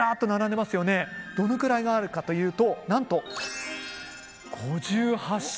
どのくらいがあるかというとなんと５８種類も。